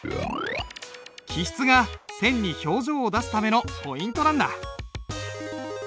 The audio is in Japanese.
起筆が線に表情を出すためのポイントなんだ。